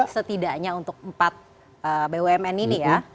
setidaknya untuk empat bumn ini ya